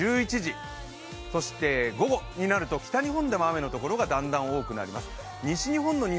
午前１１時、そして午後になると、北日本でも雨のところがだんだん多くなります。